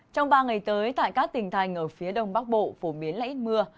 trong ba ngày tới tại các tỉnh thành ở phía đông bắc bộ phổ biến là ít mưa